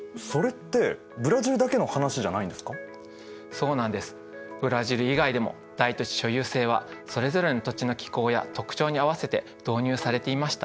ブラジル以外でも大土地所有制はそれぞれの土地の気候や特徴に合わせて導入されていました。